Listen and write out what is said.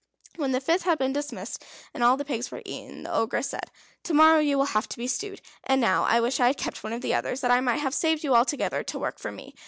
When the fifth had been dismissed, and all the pigs were eaten, the Ogress said: "To morrow you will have to be stewed, and now I wish I had kept one of the others that I might have saved you altogether to work for me.